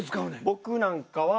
僕なんかは。